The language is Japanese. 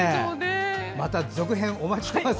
また続編お待ちしています。